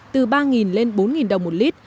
từ ba nghìn lên bốn nghìn đồng một lít